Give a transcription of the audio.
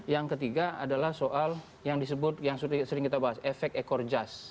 yang ketiga adalah soal yang disebut yang sering kita bahas efek ekor jas